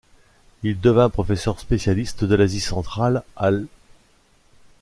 Il devint professeur spécialiste de l’Asie centrale à l’.